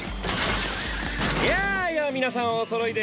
やあやあ皆さんおそろいで。